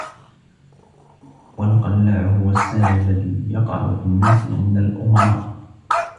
وَالْقَلَّاعُ هُوَ السَّاعِي الَّذِي يَقَعُ فِي النَّاسِ عِنْدَ الْأُمَرَاءِ